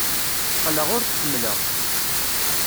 Qqleɣ ur k-ḥemmleɣ.